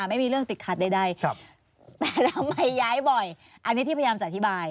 ไม่มีเรื่องติดขัดใดแต่ทำไมย้ายบ่อยอันนี้ที่พยายามจะอธิบาย